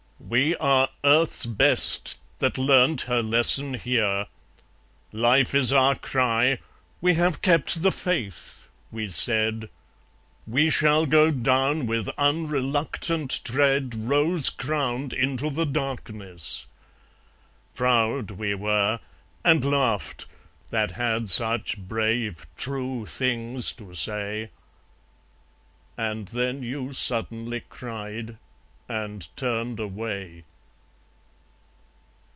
"We are Earth's best, that learnt her lesson here. Life is our cry. We have kept the faith!" we said; "We shall go down with unreluctant tread Rose crowned into the darkness!" ... Proud we were, And laughed, that had such brave true things to say. And then you suddenly cried, and turned away.